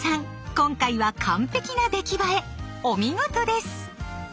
今回は完璧な出来栄えお見事です！